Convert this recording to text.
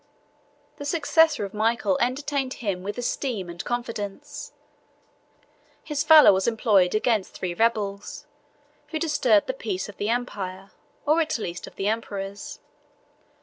The successor of Michael entertained him with esteem and confidence: his valor was employed against three rebels, who disturbed the peace of the empire, or at least of the emperors.